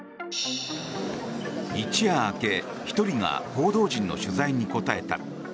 一夜明け、１人が報道陣の取材に答えた。